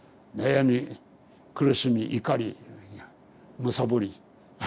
悩み苦しみいかりむさぼり。